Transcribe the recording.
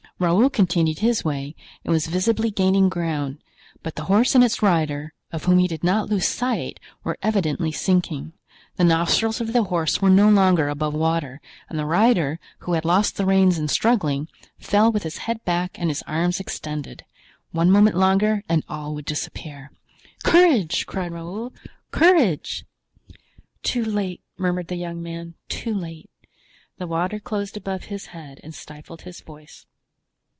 Raoul continued his way and was visibly gaining ground; but the horse and its rider, of whom he did not lose sight, were evidently sinking. The nostrils of the horse were no longer above water, and the rider, who had lost the reins in struggling, fell with his head back and his arms extended. One moment longer and all would disappear. "Courage!" cried Raoul, "courage!" "Too late!" murmured the young man, "too late!" The water closed above his head and stifled his voice.